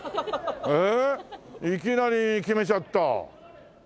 いきなり決めちゃった。